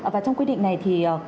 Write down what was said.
và trong quy định này thì